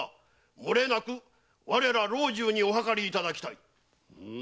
漏れなく我ら老中にお諮りいただきたい。